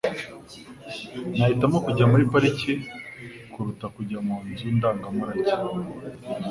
Nahitamo kujya muri pariki kuruta kujya mu nzu ndangamurage.